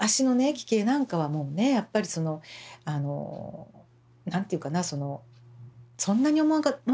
奇形なんかはもうねやっぱりその何て言うかなそのそんなに思わなかったんですよ。